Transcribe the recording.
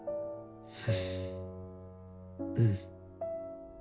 うん。